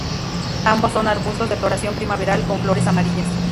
Ambos son arbustos de floración primaveral, con flores amarillas.